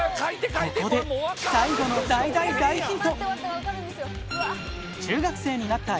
ここで最後の大大大ヒント。